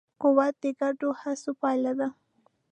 قوت د ګډو هڅو پایله ده.